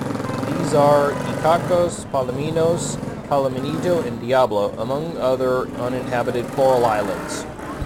These are Icacos, Palominos, Palominito, and Diablo, among other uninhabited coral islands.